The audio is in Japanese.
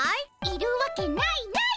いるわけないない。